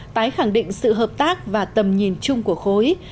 tái khẳng định sự hợp tác và tầm nhìn chung của khối